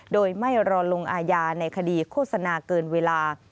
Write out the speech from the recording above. โดยไม่รอลงอาญาในคดีโฆษณาเกินเวลา